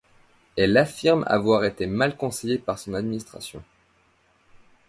Elle affirme avoir été mal conseillée par son administration.